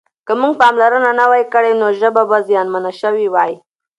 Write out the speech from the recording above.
که موږ پاملرنه نه وای کړې ژبه به زیانمنه شوې وای.